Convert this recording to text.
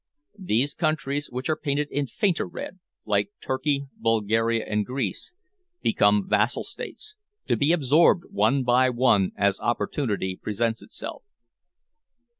These countries which are painted in fainter red, like Turkey, Bulgaria and Greece, become vassal states, to be absorbed one by one as opportunity presents itself."